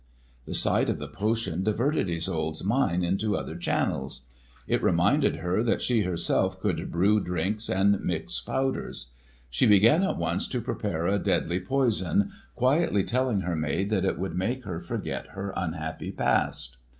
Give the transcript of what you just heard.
The sight of the potion diverted Isolde's mind into other channels. It reminded her that she herself could brew drinks and mix powders. She began at once to prepare a deadly poison, quietly telling her maid that it would make her forget her unhappy past.